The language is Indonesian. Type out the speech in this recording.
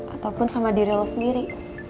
ataupun sama diri lo sendiri